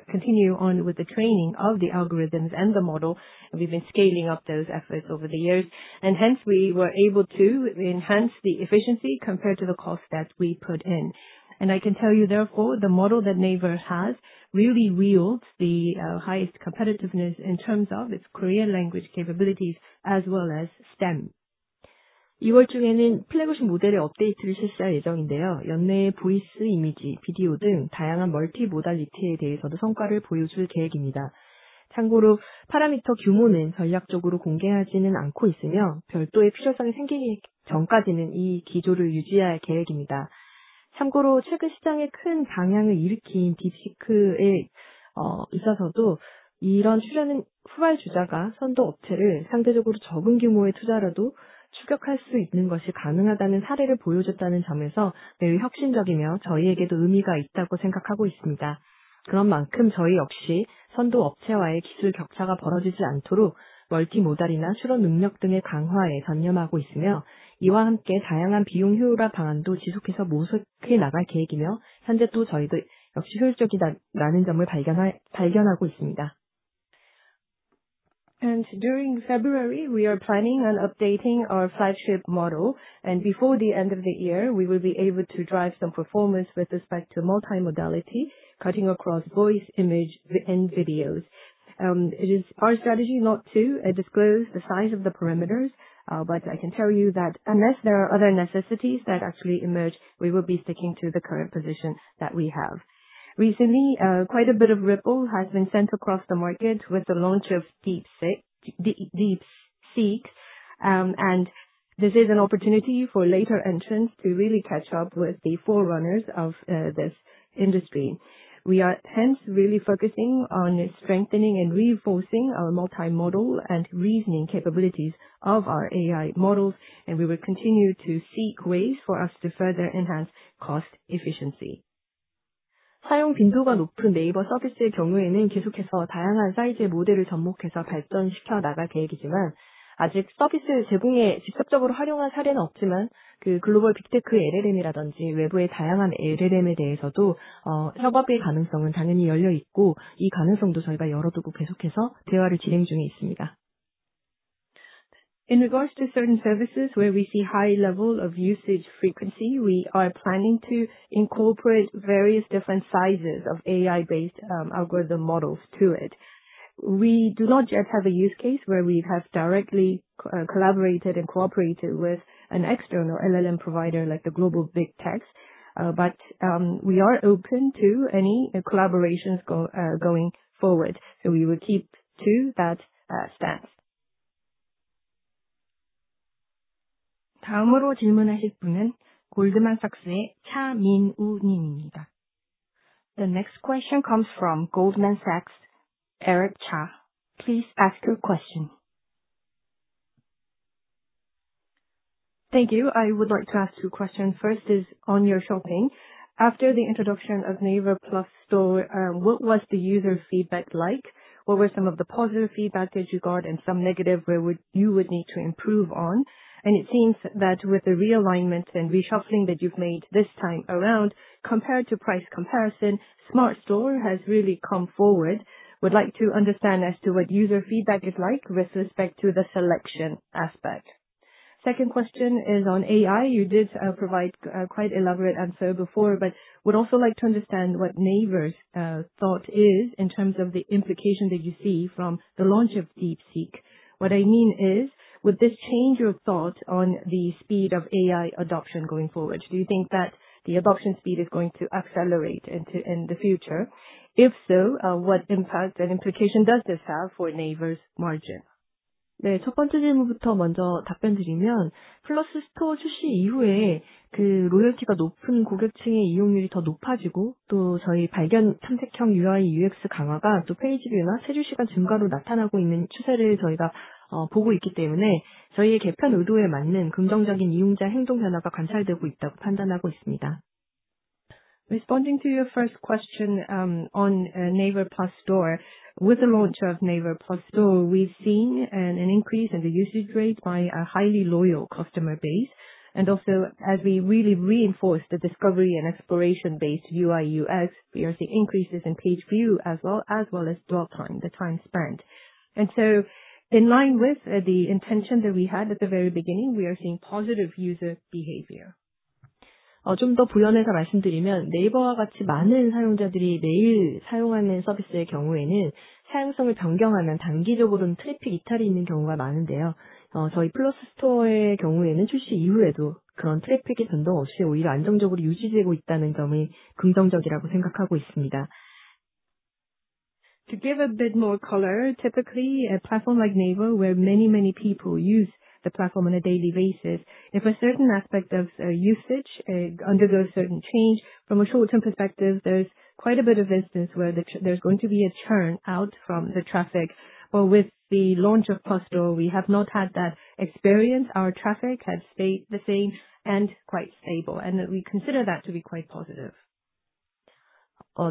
S2: continue on with the training of the algorithms and the model. We've been scaling up those efforts over the years, and hence we were able to enhance the efficiency compared to the cost that we put in. I can tell you, therefore, the model that NAVER has really wields the highest competitiveness in terms of its Korean language capabilities as well as STEM. 이번 주에는 플래그십 모델의 업데이트를 실시할 예정인데요. 연내에 보이스, 이미지, 비디오 등 다양한 멀티 모달리티에 대해서도 성과를 보여줄 계획입니다. 참고로 파라미터 규모는 전략적으로 공개하지는 않고 있으며, 별도의 필요성이 생기기 전까지는 이 기조를 유지할 계획입니다. 참고로 최근 시장에 큰 반향을 일으킨 DeepSeek에 있어서도 이런 출연은 후발 주자가 선도 업체를 상대적으로 적은 규모의 투자라도 추격할 수 있는 것이 가능하다는 사례를 보여줬다는 점에서 매우 혁신적이며 저희에게도 의미가 있다고 생각하고 있습니다. 그런 만큼 저희 역시 선도 업체와의 기술 격차가 벌어지지 않도록 멀티 모달이나 추론 능력 등의 강화에 전념하고 있으며, 이와 함께 다양한 비용 효율화 방안도 지속해서 모색해 나갈 계획이며 현재 또 저희도 역시 효율적이라는 점을 발견하고 있습니다. And during February, we are planning on updating our flagship model, and before the end of the year, we will be able to drive some performance with respect to multi-modality, cutting across voice, image, and videos. It is our strategy not to disclose the size of the parameters, but I can tell you that unless there are other necessities that actually emerge, we will be sticking to the current position that we have. Recently, quite a bit of ripple has been sent across the market with the launch of DeepSeek, and this is an opportunity for later entrants to really catch up with the forerunners of this industry. We are hence really focusing on strengthening and reinforcing our multi-modal and reasoning capabilities of our AI models, and we will continue to seek ways for us to further enhance cost efficiency. 사용 빈도가 높은 네이버 서비스의 경우에는 계속해서 다양한 사이즈의 모델을 접목해서 발전시켜 나갈 계획이지만, 아직 서비스 제공에 직접적으로 활용한 사례는 없지만 글로벌 빅테크 LLM이라든지 외부의 다양한 LLM에 대해서도 협업의 가능성은 당연히 열려 있고, 이 가능성도 저희가 열어두고 계속해서 대화를 진행 중에 있습니다. In regards to certain services where we see high level of usage frequency, we are planning to incorporate various different sizes of AI-based algorithm models to it. We do not yet have a use case where we have directly collaborated and cooperated with an external LLM provider like the global big techs, but we are open to any collaborations going forward, so we will keep to that stance.
S4: 다음으로 질문하실 분은 골드만삭스의 차민우 님입니다. The next question comes from Goldman Sachs, Eric Cha. Please ask your question.
S6: Thank you. I would like to ask two questions. First is on your shopping. After the introduction of NAVER Plus Store, what was the user feedback like? What were some of the positive feedback that you got and some negative where you would need to improve on? It seems that with the realignment and reshuffling that you've made this time around, compared to price comparison, Smart Store has really come forward. Would like to understand as to what user feedback is like with respect to the selection aspect. Second question is on AI. You did provide quite an elaborate answer before, but would also like to understand what NAVER's thought is in terms of the implication that you see from the launch of DeepSeek. What I mean is, with this change of thought on the speed of AI adoption going forward, do you think that the adoption speed is going to accelerate in the future? If so, what impact and implication does this have for NAVER's margin?
S2: 네, 첫 번째 질문부터 먼저 답변드리면, 플러스 스토어 출시 이후에 그 로열티가 높은 고객층의 이용률이 더 높아지고, 또 저희 발견 탐색형 UI, UX 강화가 또 페이지뷰나 체류 시간 증가로 나타나고 있는 추세를 저희가 보고 있기 때문에 저희의 개편 의도에 맞는 긍정적인 이용자 행동 변화가 관찰되고 있다고 판단하고 있습니다. Responding to your first question on NAVER Plus Store, with the launch of NAVER Plus Store, we've seen an increase in the usage rate by a highly loyal customer base, and also, as we really reinforce the discovery and exploration-based UI, UX, we are seeing increases in page view as well as dwell time, the time spent, and so, in line with the intention that we had at the very beginning, we are seeing positive user behavior. 좀더 부연해서 말씀드리면, 네이버와 같이 많은 사용자들이 매일 사용하는 서비스의 경우에는 사용성을 변경하면 단기적으로는 트래픽 이탈이 있는 경우가 많은데요.저희 플러스 스토어의 경우에는 출시 이후에도 그런 트래픽의 변동 없이 오히려 안정적으로 유지되고 있다는 점이 긍정적이라고 생각하고 있습니다. To give a bit more color, typically a platform like NAVER, where many, many people use the platform on a daily basis, if a certain aspect of usage undergoes certain change, from a short-term perspective, there's quite a bit of instances where there's going to be a churn out from the traffic. But with the launch of Plus Store, we have not had that experience. Our traffic has stayed the same and quite stable, and we consider that to be quite positive.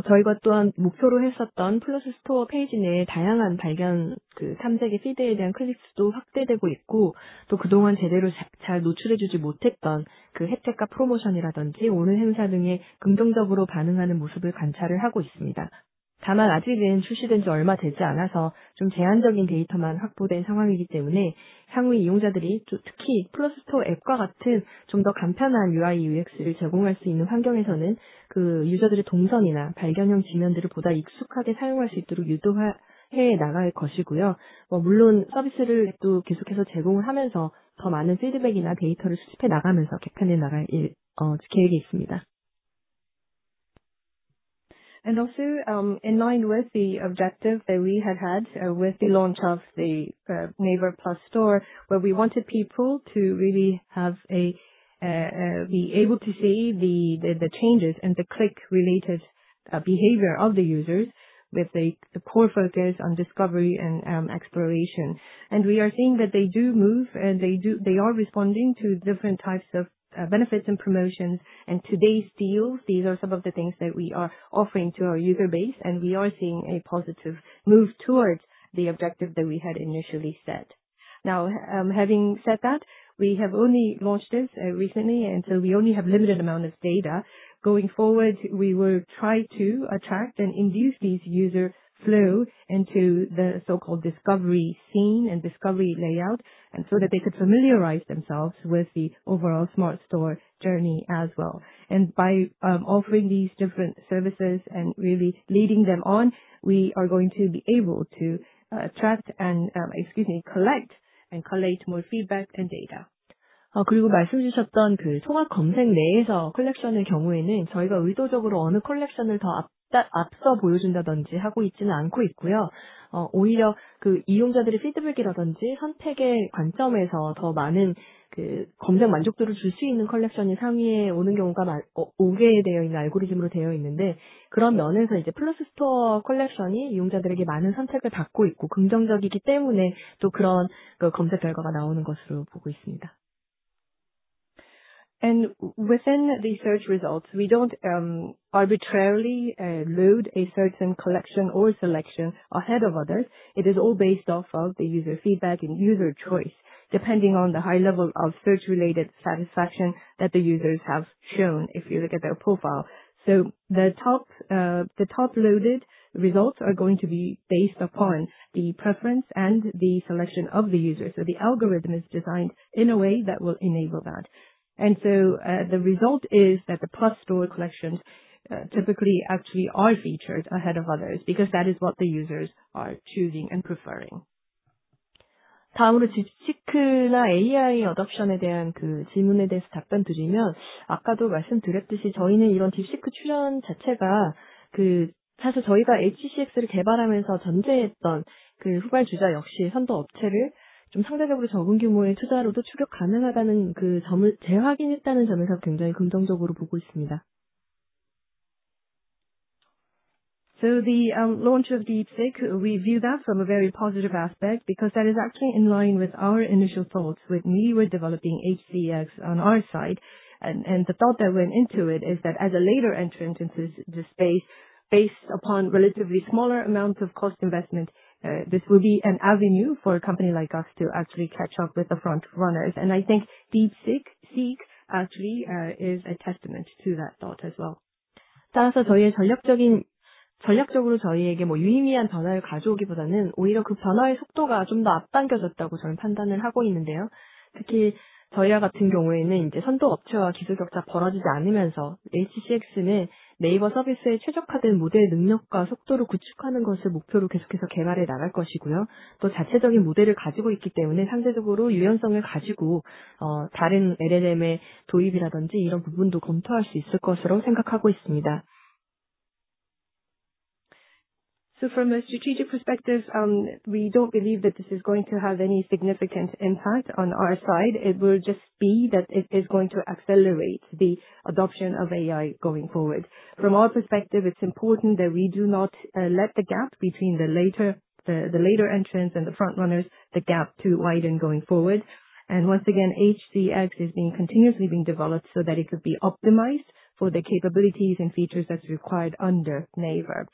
S2: 저희가 또한 목표로 했었던 플러스 스토어 페이지 내의 다양한 발견 탐색의 피드에 대한 클릭 수도 확대되고 있고, 또 그동안 제대로 잘 노출해 주지 못했던 그 혜택과 프로모션이라든지 오늘 행사 등에 긍정적으로 반응하는 모습을 관찰을 하고 있습니다.다만 아직은 출시된 지 얼마 되지 않아서 좀 제한적인 데이터만 확보된 상황이기 때문에 향후 이용자들이 특히 플러스 스토어 앱과 같은 좀더 간편한 UI, UX를 제공할 수 있는 환경에서는 그 유저들의 동선이나 발견형 지면들을 보다 익숙하게 사용할 수 있도록 유도해 나갈 것이고요. 물론 서비스를 또 계속해서 제공을 하면서 더 많은 피드백이나 데이터를 수집해 나가면서 개편해 나갈 계획이 있습니다. And also, in line with the objective that we had had with the launch of the NAVER Plus Store, where we wanted people to really be able to see the changes and the click-related behavior of the users, with the core focus on discovery and exploration. And we are seeing that they do move, and they are responding to different types of benefits and promotions and today's deals. These are some of the things that we are offering to our user base, and we are seeing a positive move towards the objective that we had initially set. Now, having said that, we have only launched this recently, and so we only have a limited amount of data. Going forward, we will try to attract and induce these user flow into the so-called discovery scene and discovery layout, and so that they could familiarize themselves with the overall Smart Store journey as well. And by offering these different services and really leading them on, we are going to be able to attract and, excuse me, collect and collate more feedback and data. 그리고 말씀해 주셨던 그 통합 검색 내에서 컬렉션의 경우에는 저희가 의도적으로 어느 컬렉션을 더 앞서 보여준다든지 하고 있지는 않고 있고요. 오히려 그 이용자들의 피드백이라든지 선택의 관점에서 더 많은 검색 만족도를 줄수 있는 컬렉션이 상위에 오는 경우가 오게 되어 있는 알고리즘으로 되어 있는데, 그런 면에서 이제 플러스 스토어 컬렉션이 이용자들에게 많은 선택을 받고 있고 긍정적이기 때문에 또 그런 검색 결과가 나오는 것으로 보고 있습니다. And within the search results, we don't arbitrarily load a certain collection or selection ahead of others. It is all based off of the user feedback and user choice, depending on the high level of search-related satisfaction that the users have shown if you look at their profile. So the top loaded results are going to be based upon the preference and the selection of the users. So the algorithm is designed in a way that will enable that. And so the result is that the Plus Store collections typically actually are featured ahead of others because that is what the users are choosing and preferring. 다음으로 DeepSeek나 AI adoption에 대한 그 질문에 대해서 답변드리면, 아까도 말씀드렸듯이 저희는 이런 DeepSeek 출시 자체가 그 사실 저희가 HCX를 개발하면서 전제했던 그 후발 주자 역시 선도 업체를 좀 상대적으로 적은 규모의 투자로도 추격 가능하다는 그 점을 재확인했다는 점에서 굉장히 긍정적으로 보고 있습니다, So the launch of DeepSeek, we view that from a very positive aspect because that is actually in line with our initial thoughts when we were developing HCX on our side, And the thought that went into it is that as a later entrant into the space, based upon relatively smaller amounts of cost investment, this will be an avenue for a company like us to actually catch up with the front runners, And I think DeepSeek actually is a testament to that thought as well, 따라서 저희의 전략적으로 저희에게 유의미한 변화를 가져오기보다는 오히려 그 변화의 속도가 좀더 앞당겨졌다고 저희는 판단을 하고 있는데요. 특히 저희와 같은 경우에는 이제 선도 업체와 기술 격차가 벌어지지 않으면서 HCX는 네이버 서비스에 최적화된 모델 능력과 속도를 구축하는 것을 목표로 계속해서 개발해 나갈 것이고요. 또 자체적인 모델을 가지고 있기 때문에 상대적으로 유연성을 가지고 다른 LLM의 도입이라든지 이런 부분도 검토할 수 있을 것으로 생각하고 있습니다. So from a strategic perspective, we don't believe that this is going to have any significant impact on our side. It will just be that it is going to accelerate the adoption of AI going forward. From our perspective, it's important that we do not let the gap between the later entrants and the front runners, the gap to widen going forward. And once again, HCX is being continuously developed so that it could be optimized for the capabilities and features that are required under NAVER.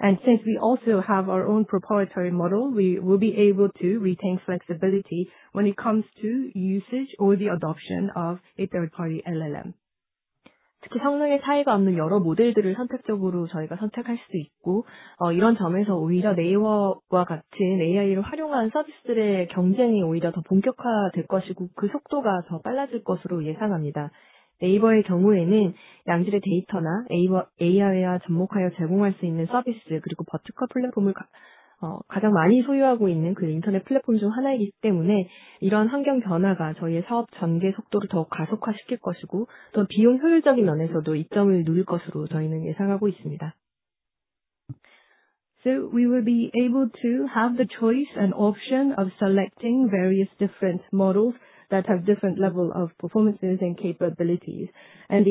S2: Since we also have our own proprietary model, we will be able to retain flexibility when it comes to usage or the adoption of a third-party LLM. 특히 성능의 차이가 없는 여러 모델들을 선택적으로 저희가 선택할 수 있고, 이런 점에서 오히려 네이버와 같은 AI를 활용한 서비스들의 경쟁이 오히려 더 본격화될 것이고, 그 속도가 더 빨라질 것으로 예상합니다. 네이버의 경우에는 양질의 데이터나 AI와 접목하여 제공할 수 있는 서비스, 그리고 버티컬 플랫폼을 가장 많이 소유하고 있는 그 인터넷 플랫폼 중 하나이기 때문에 이러한 환경 변화가 저희의 사업 전개 속도를 더욱 가속화시킬 것이고, 또 비용 효율적인 면에서도 이점을 누릴 것으로 저희는 예상하고 있습니다. We will be able to have the choice and option of selecting various different models that have different levels of performances and capabilities. At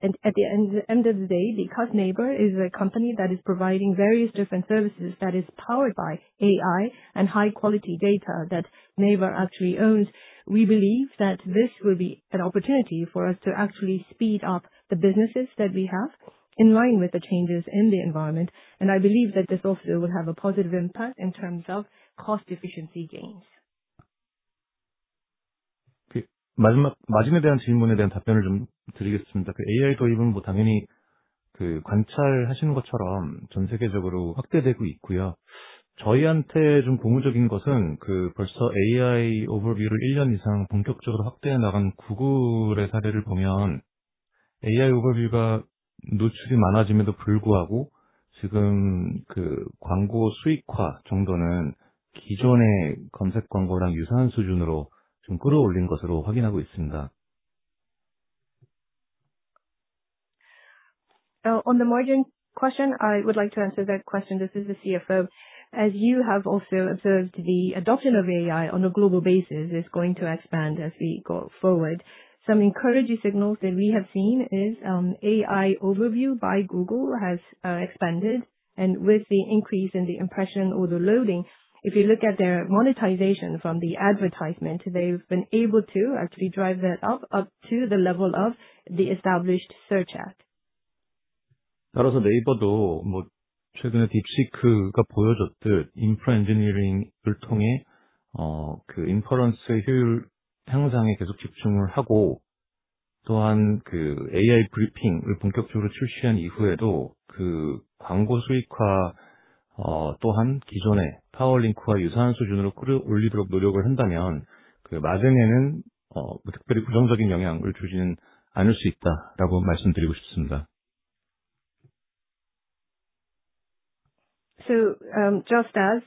S2: the end of the day, because NAVER is a company that is providing various different services that are powered by AI and high-quality data that NAVER actually owns, we believe that this will be an opportunity for us to actually speed up the businesses that we have in line with the changes in the environment. I believe that this also will have a positive impact in terms of cost efficiency gains.
S3: 마지막에 대한 질문에 대한 답변을 좀 드리겠습니다. 그 AI 도입은 뭐 당연히 그 관찰하시는 것처럼 전 세계적으로 확대되고 있고요. 저희한테 좀 고무적인 것은 그 벌써 AI 오버뷰를 1년 이상 본격적으로 확대해 나간 구글의 사례를 보면 AI 오버뷰가 노출이 많아짐에도 불구하고 지금 그 광고 수익화 정도는 기존의 검색 광고랑 유사한 수준으로 좀 끌어올린 것으로 확인하고 있습니다. On the margin question, I would like to answer that question. This is the CFO. As you have also observed, the adoption of AI on a global basis is going to expand as we go forward. Some encouraging signals that we have seen is AI Overview by Google has expanded, and with the increase in the impression or the loading, if you look at their monetization from the advertisement, they've been able to actually drive that up to the level of the established search app. 따라서 네이버도 최근에 딥시크가 보여줬듯 인프라 엔지니어링을 통해 그 인퍼런스의 효율 향상에 계속 집중을 하고, 또한 그 AI 브리핑을 본격적으로 출시한 이후에도 그 광고 수익화 또한 기존의 파워링크와 유사한 수준으로 끌어올리도록 노력을 한다면 그 마진에는 특별히 부정적인 영향을 주지는 않을 수 있다라고 말씀드리고 싶습니다. So just as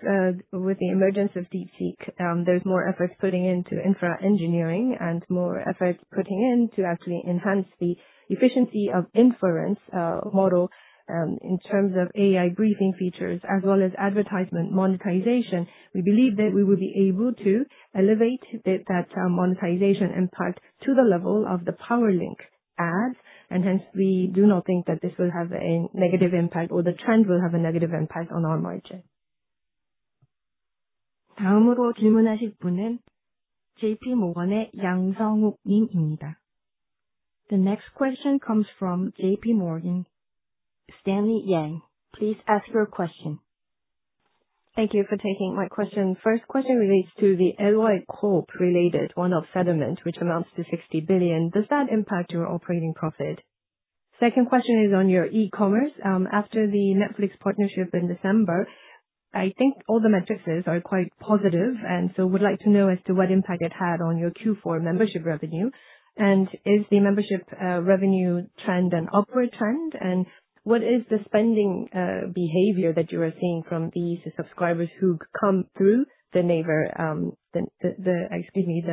S3: with the emergence of DeepSeek, there's more efforts putting into infra engineering and more efforts putting in to actually enhance the efficiency of inference models in terms of AI Briefing features as well as advertisement monetization. We believe that we will be able to elevate that monetization impact to the level of the Powerlink ads, and hence we do not think that this will have a negative impact or the trend will have a negative impact on our margin.
S4: 다음으로 질문하실 분은 J.P. Morgan의 양성욱 님입니다. The next question comes from J.P. Morgan. Stanley Yang, please ask your question.
S7: Thank you for taking my question. First question relates to the LY Corp-related one-off settlement, which amounts to 60 billion. Does that impact your operating profit? Second question is on your e-commerce. After the Netflix partnership in December, I think all the metrics are quite positive, and so would like to know as to what impact it had on your Q4 membership revenue. And is the membership revenue trend an upward trend? And what is the spending behavior that you are seeing from these subscribers who come through the NAVER, excuse me,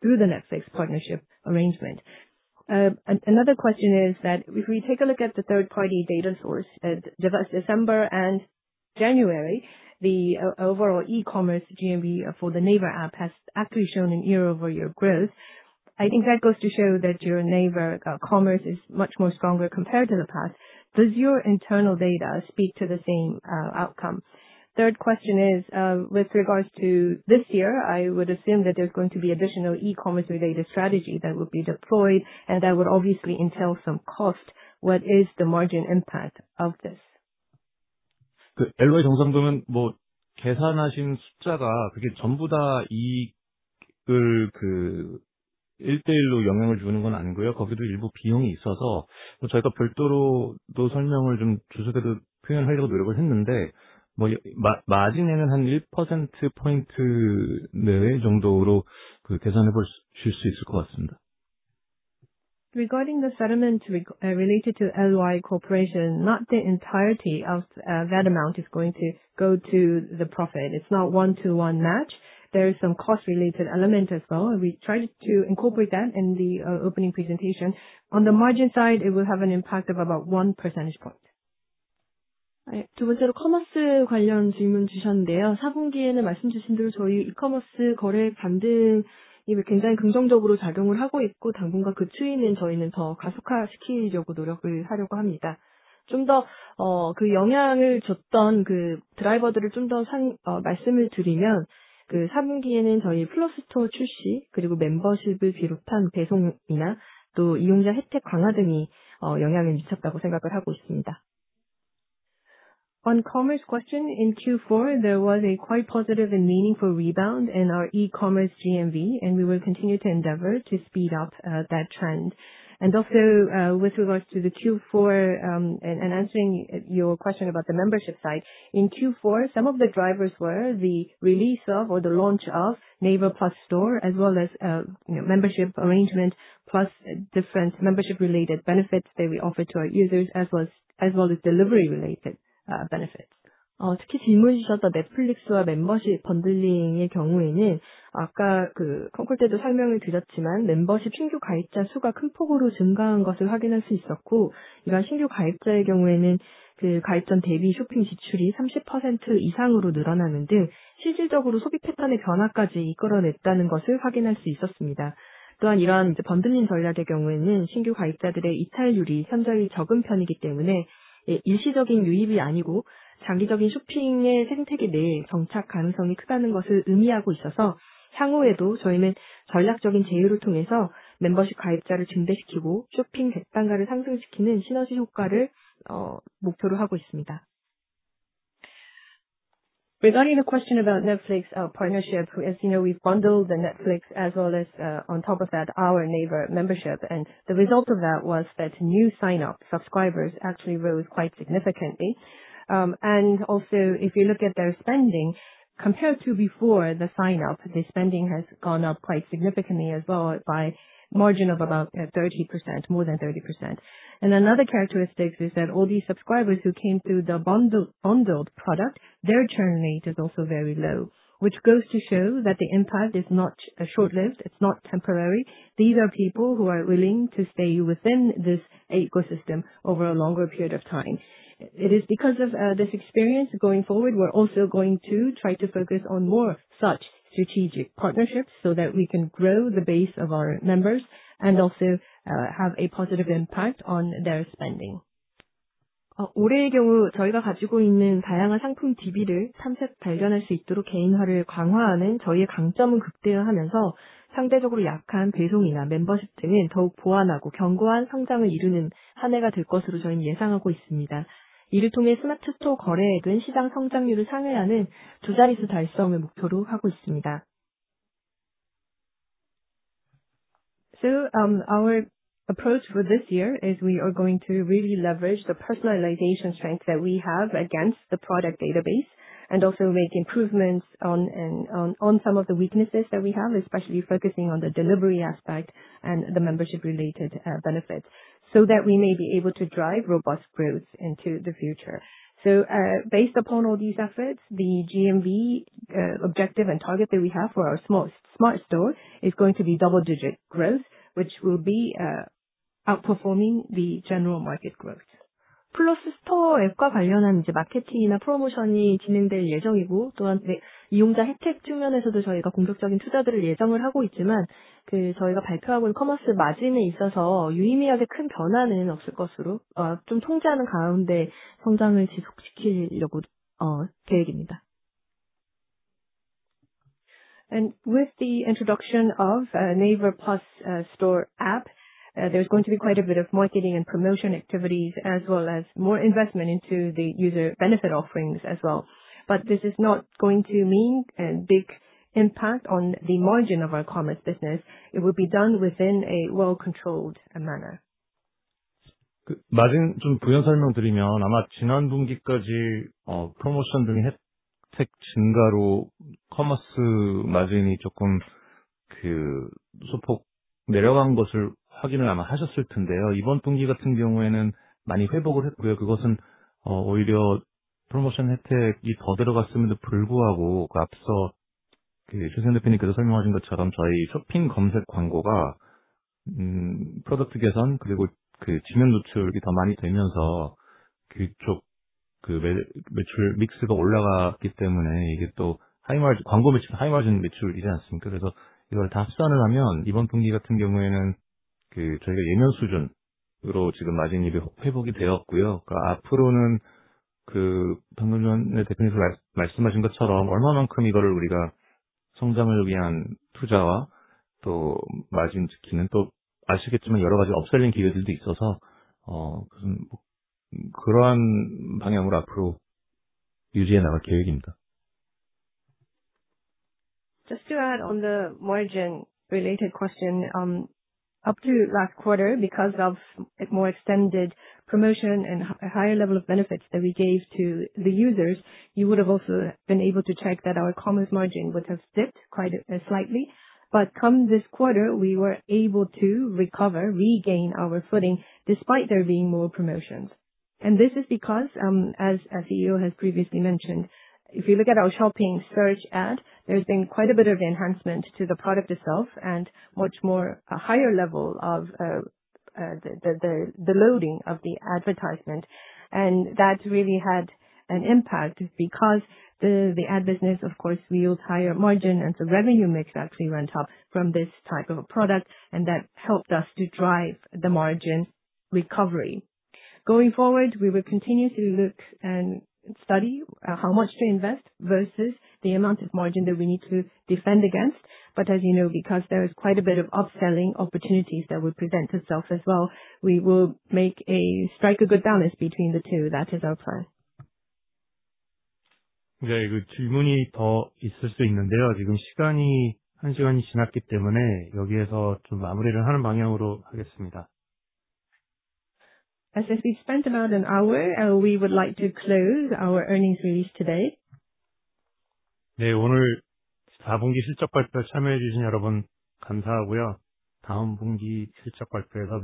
S7: through the Netflix partnership arrangement?
S1: Another question is that if we take a look at the third-party data source that gives us December and January, the overall e-commerce GMV for the NAVER app has actually shown a year-over-year growth. I think that goes to show that your NAVER commerce is much more stronger compared to the past. Does your internal data speak to the same outcome? Third question is with regards to this year, I would assume that there's going to be additional e-commerce-related strategy that will be deployed, and that would obviously entail some cost. What is the margin impact of this?
S3: LY 정산금은 뭐 계산하신 숫자가 그게 전부 다 이익을 그 1대 1로 영향을 주는 건 아니고요. 거기도 일부 비용이 있어서 저희가 별도로 또 설명을 좀 주석에도 표현하려고 노력을 했는데, 뭐 마진에는 한 1% 포인트 내외 정도로 그 계산해 보실 수 있을 것 같습니다. Regarding the settlement related to LY Corporation, not the entirety of that amount is going to go to the profit. It's not one-to-one match. There is some cost-related element as well. We tried to incorporate that in the opening presentation. On the margin side, it will have an impact of about 1 percentage point.
S2: 두 번째로 커머스 관련 질문 주셨는데요. 4분기에는 말씀주신 대로 저희 이커머스 거래 반등이 굉장히 긍정적으로 작용을 하고 있고, 당분간 그 추이는 저희는 더 가속화시키려고 노력을 하려고 합니다. 좀더그 영향을 줬던 그 드라이버들을 좀더 말씀을 드리면, 그 4분기에는 저희 플러스 스토어 출시, 그리고 멤버십을 비롯한 배송이나 또 이용자 혜택 강화 등이 영향을 미쳤다고 생각을 하고 있습니다. On commerce question, in Q4 there was a quite positive and meaningful rebound in our e-commerce GMV, and we will continue to endeavor to speed up that trend. And also with regards to the Q4 and answering your question about the membership side, in Q4 some of the drivers were the release of or the launch of NAVER Plus Store as well as, you know, membership arrangement plus different membership-related benefits that we offer to our users as well as delivery-related benefits. 특히 질문 주셨던 넷플릭스와 멤버십 번들링의 경우에는 아까 그 컨콜 때도 설명을 드렸지만, 멤버십 신규 가입자 수가 큰 폭으로 증가한 것을 확인할 수 있었고, 이러한 신규 가입자의 경우에는 그 가입 전 대비 쇼핑 지출이 30% 이상으로 늘어나는 등 실질적으로 소비 패턴의 변화까지 이끌어냈다는 것을 확인할 수 있었습니다. 또한 이러한 번들링 전략의 경우에는 신규 가입자들의 이탈률이 현저히 적은 편이기 때문에 일시적인 유입이 아니고 장기적인 쇼핑의 생태계 내에 정착 가능성이 크다는 것을 의미하고 있어서 향후에도 저희는 전략적인 제휴를 통해서 멤버십 가입자를 증대시키고 쇼핑 객단가를 상승시키는 시너지 효과를 목표로 하고 있습니다. Regarding the question about Netflix partnership, as you know, we've bundled the Netflix as well as, on top of that, our NAVER membership, and the result of that was that new sign-up subscribers actually rose quite significantly. Also, if you look at their spending compared to before the sign-up, the spending has gone up quite significantly as well by a margin of about 30%, more than 30%. Another characteristic is that all these subscribers who came through the bundled product, their churn rate is also very low, which goes to show that the impact is not short-lived. It's not temporary. These are people who are willing to stay within this ecosystem over a longer period of time. It is because of this experience going forward. We're also going to try to focus on more such strategic partnerships so that we can grow the base of our members and also have a positive impact on their spending. 올해의 경우 저희가 가지고 있는 다양한 상품 DB를 탐색 발견할 수 있도록 개인화를 강화하는 저희의 강점은 극대화하면서 상대적으로 약한 배송이나 멤버십 등은 더욱 보완하고 견고한 성장을 이루는 한 해가 될 것으로 저희는 예상하고 있습니다. 이를 통해 Smart Store 거래액은 시장 성장률을 상회하는 두 자릿수 달성을 목표로 하고 있습니다. So our approach for this year is we are going to really leverage the personalization strength that we have against the product database and also make improvements on some of the weaknesses that we have, especially focusing on the delivery aspect and the membership-related benefits so that we may be able to drive robust growth into the future. So based upon all these efforts, the GMV objective and target that we have for our Smart Store is going to be double-digit growth, which will be outperforming the general market growth.
S3: 플러스 스토어 앱과 관련한 마케팅이나 프로모션이 진행될 예정이고, 또한 이용자 혜택 측면에서도 저희가 공격적인 투자들을 예정을 하고 있지만, 그 저희가 발표하고 있는 커머스 마진에 있어서 유의미하게 큰 변화는 없을 것으로 좀 통제하는 가운데 성장을 지속시키려고 계획입니다. And with the introduction of NAVER Plus Store app, there's going to be quite a bit of marketing and promotion activities as well as more investment into the user benefit offerings as well. But this is not going to mean a big impact on the margin of our commerce business. It will be done within a well-controlled manner. 마진 좀 부연 설명 드리면, 아마 지난 분기까지 프로모션 등의 혜택 증가로 커머스 마진이 조금 소폭 내려간 것을 확인을 아마 하셨을 텐데요. 이번 분기 같은 경우에는 많이 회복을 했고요. 그것은 오히려 프로모션 혜택이 더 들어갔음에도 불구하고, 앞서 최수연 대표님께서 설명하신 것처럼 저희 쇼핑 검색 광고가 프로덕트 개선, 그리고 지면 노출이 더 많이 되면서 그쪽 매출 믹스가 올라갔기 때문에 이게 또 하이 마진 광고 매출도 하이 마진 매출이지 않습니까? 그래서 이걸 다 합산을 하면 이번 분기 같은 경우에는 저희가 예년 수준으로 지금 마진율이 회복이 되었고요. 앞으로는 방금 전에 대표님께서 말씀하신 것처럼 얼마만큼 이거를 우리가 성장을 위한 투자와 또 마진 지키는 또 아시겠지만 여러 가지 업셀링 기회들도 있어서 그러한 방향으로 앞으로 유지해 나갈 계획입니다. Just to add on the margin-related question, up to last quarter, because of more extended promotion and a higher level of benefits that we gave to the users, you would have also been able to check that our commerce margin would have dipped quite slightly. But come this quarter, we were able to recover, regain our footing despite there being more promotions. This is because, as CEO has previously mentioned, if you look at our Shopping Search ad, there's been quite a bit of enhancement to the product itself and much more higher level of the loading of the advertisement. That's really had an impact because the ad business, of course, yields higher margin, and the revenue mix actually runs up from this type of product, and that helped us to drive the margin recovery. Going forward, we will continue to look and study how much to invest versus the amount of margin that we need to defend against. But as you know, because there is quite a bit of upselling opportunities that will present itself as well, we will make a strike a good balance between the two. That is our plan. 네, 그 질문이 더 있을 수 있는데요. 지금 시간이 한 시간이 지났기 때문에 여기에서 좀 마무리를 하는 방향으로 하겠습니다. As we spent about an hour, we would like to close our earnings release today. 네, 오늘 4분기 실적 발표에 참여해 주신 여러분 감사하고요. 다음 분기 실적 발표에서.